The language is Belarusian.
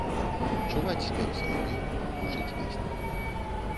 Чуваць спеў салаўёў, гучыць песня.